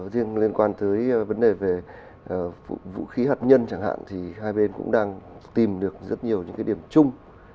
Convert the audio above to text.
riêng liên quan tới vấn đề về vũ khí hạt nhân chẳng hạn thì hai bên cũng đang tìm được rất nhiều những cái điểm chung